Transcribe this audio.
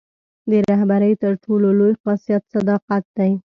د رهبرۍ تر ټولو لوی خاصیت صداقت دی.